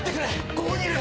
ここにいる！